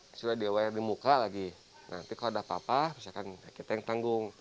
maksudnya di awal yang di muka lagi nanti kalau ada apa apa misalkan kita yang tanggung